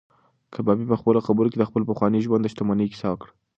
کبابي په خپلو خبرو کې د خپل پخواني ژوند د شتمنۍ کیسه وکړه.